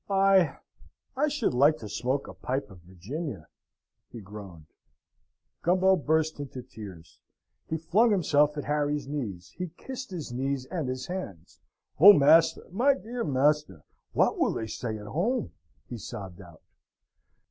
"I I should like to smoke a pipe of Virginia" he groaned. Gumbo burst into tears: he flung himself at Harry's knees. He kissed his knees and his hands. "Oh, master, my dear master, what will they say at home?" he sobbed out.